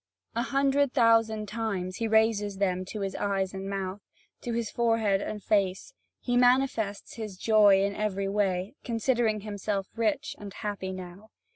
A hundred thousand times he raises them to his eyes and mouth, to his forehead and face: he manifests his joy in every way, considering himself rich and happy now.